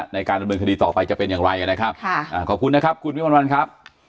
ในการดำเนินคดีต่อไปจะเป็นอย่างไรนะครับค่ะอ่าขอบคุณนะครับคุณวิมวลวันครับ